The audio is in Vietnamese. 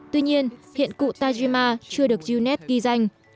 tuy nhiên hiện cụ tajima chưa được uned ghi danh